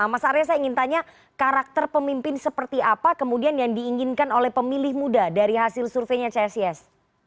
mas arya saya ingin tanya karakter pemimpin seperti apa kemudian yang diinginkan oleh pemilih muda dari hasil surveinya csis